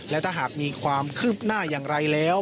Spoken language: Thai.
และถ้าหากมีความคืบหน้าอย่างไรแล้ว